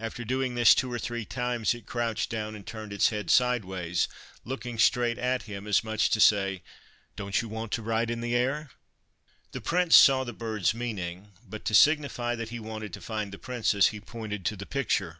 After doing this two or three times it crouched down and turned its head sideways, looking straight at him, as much as to say, ' Don't you want to ride in the air?' The Prince saw the bird's meaning, but, to signify that he wanted to find the Princess, he pointed to the picture.